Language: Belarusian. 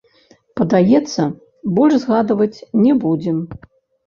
Падаецца, больш згадваць не будзем.